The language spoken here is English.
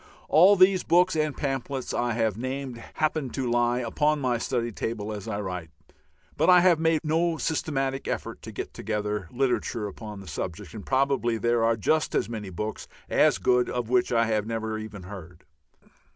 All these books and pamphlets I have named happen to lie upon my study table as I write, but I have made no systematic effort to get together literature upon the subject, and probably there are just as many books as good of which I have never even heard.